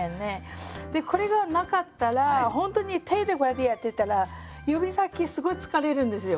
でこれがなかったらほんとに手でこうやってやってたら指先すごい疲れるんですよ。